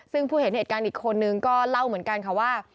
ซึ่งผู้เห็นเหตุการณ์อีกคนนึงก็เล่าเหมือนกันค่ะว่า